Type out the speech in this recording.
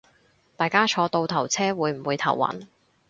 但大家坐倒頭車會唔會頭暈